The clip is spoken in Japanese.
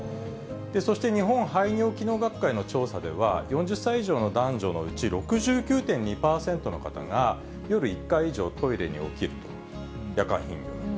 そして日本排尿機能学会の調査では、４０歳以上の男女のうち６９．２％の方が、夜１回以上、トイレに起きると、夜間頻尿。